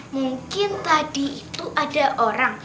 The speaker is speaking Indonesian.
mungkin tadi itu ada orang